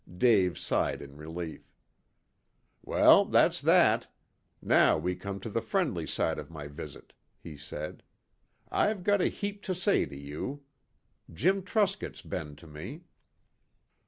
Dave sighed in relief. "Well, that's that. Now we come to the friendly side of my visit," he said. "I've got a heap to say to you. Jim Truscott's been to me."